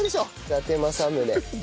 伊達政宗。